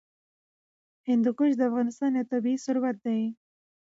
هندوکش د افغانستان یو طبعي ثروت دی.